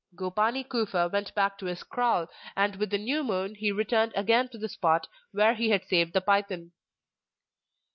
Gopani Kufa went back to his kraal, and with the new moon he returned again to the spot where he had saved the python.